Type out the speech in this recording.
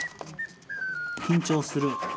緊張する。